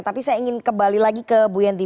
tapi saya ingin kembali lagi ke bu yenty